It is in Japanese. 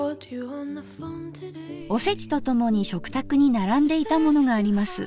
おせちとともに食卓に並んでいたものがあります。